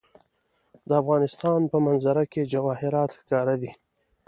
د افغانستان په منظره کې جواهرات ښکاره ده.